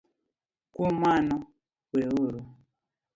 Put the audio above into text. Kuom mano, weuru